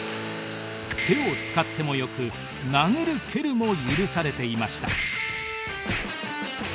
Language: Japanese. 手を使ってもよく殴る蹴るも許されていました。